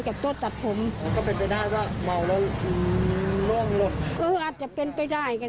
แกเป็นคนไม่มีอะไรนะ